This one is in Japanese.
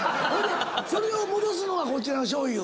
それを戻すのがこちらのしょうゆ⁉